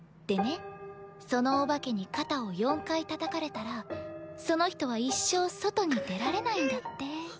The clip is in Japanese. でねそのお化けに肩を４回たたかれたらその人は一生外に出られないんだって。